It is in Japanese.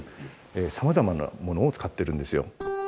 さまざまなものを使ってるんですよ。